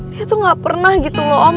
dia tuh gak pernah gitu loh om